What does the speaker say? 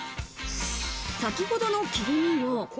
先ほどの切り身を。